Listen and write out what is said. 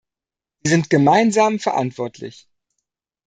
Sie sind gemeinsam verantwortlich.